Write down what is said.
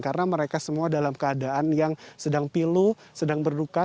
karena mereka semua dalam keadaan yang sedang pilu sedang berduka